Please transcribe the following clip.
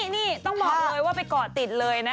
นี่ต้องบอกเลยว่าไปเกาะติดเลยนะ